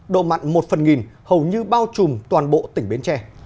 độ mặn một phần nghìn hầu như bao trùm toàn bộ tỉnh bến tre